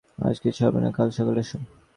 আজ কিছু হবে না, কাল সকালে এসো।